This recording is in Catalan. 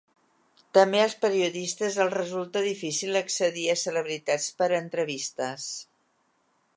També als periodistes els resulta difícil accedir a celebritats per a entrevistes.